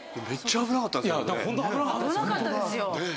危なかったですよ。